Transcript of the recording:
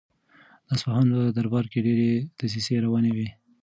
د اصفهان په دربار کې ډېرې دسیسې روانې وې.